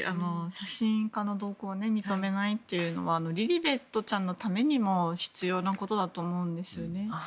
写真家の同行は認めないというのはリリベットちゃんのためにも必要なことだと思うんですよね。